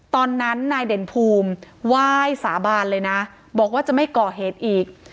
ตอนนั้นนายเด่นภูมิไหว้สาบานเลยนะบอกว่าจะไม่ก่อเหตุอีก